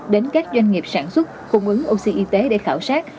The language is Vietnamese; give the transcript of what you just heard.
đến các doanh nghiệp sản xuất cung ứng oxy y tế để khảo sát